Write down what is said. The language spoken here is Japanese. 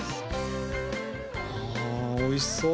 あおいしそう。